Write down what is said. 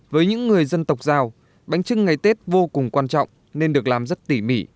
với những người dân tộc giao bánh trưng ngày tết vô cùng quan trọng nên được làm rất tỉ mỉ